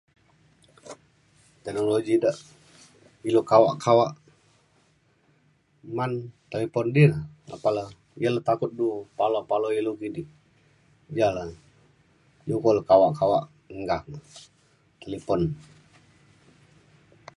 Teknologi dak ilu kawak kawak man talipon di na apan le ya na takut du paloi paloi ilu kidi ya le iu ko kawak kawak enggang talipon